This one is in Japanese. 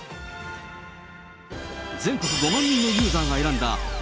全国５万人のユーザーが選んだダ